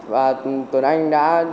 và tuấn anh đã